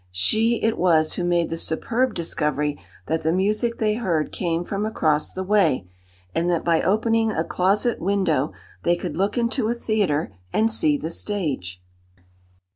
She it was who made the superb discovery that the music they heard came from across the way, and that by opening a closet window they could look into a theatre and see the stage.